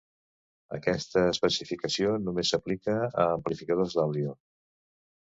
Aquesta especificació només s'aplica a amplificadors d'àudio.